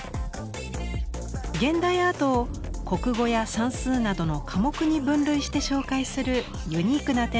現代アートを国語や算数などの科目に分類して紹介するユニークな展覧会が開かれています。